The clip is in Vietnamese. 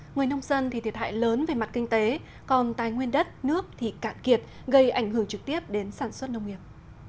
người nông dân thì thiệt hại lớn về mặt kinh tế còn tài nguyên đất nước thì cạn kiệt gây ảnh hưởng trực tiếp đến sản xuất nông nghiệp